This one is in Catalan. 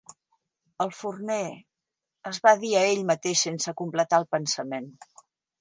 "El forner...", es va dir a ell mateix sense completar el pensament.